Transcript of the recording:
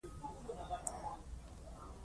هېواد د قلم او تورې ګډه هڅه غواړي.